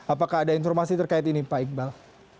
apakah ada informasi terkait ini pak iqbal